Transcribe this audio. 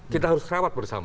kita harus kerewat bersama